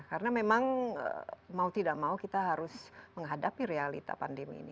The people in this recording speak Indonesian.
karena memang mau tidak mau kita harus menghadapi realita pandemi ini